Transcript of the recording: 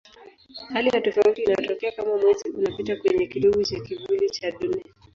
Hali ya tofauti inatokea kama Mwezi unapita kwenye kitovu cha kivuli cha Dunia.